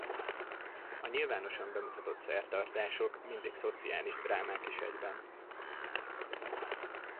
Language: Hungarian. A nyilvánosan bemutatott szertartások mindig szociális drámák is egyben.